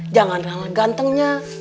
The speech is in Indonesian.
jangan karena gantengnya